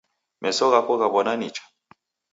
Meso ghako ghaw'ona nicha?